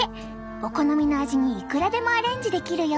お好みの味にいくらでもアレンジできるよ。